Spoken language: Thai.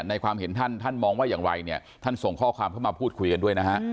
ความเห็นท่านท่านมองว่าอย่างไรเนี่ยท่านส่งข้อความเข้ามาพูดคุยกันด้วยนะฮะ